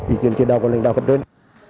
ý kiến trên đó của lãnh đạo cập đơn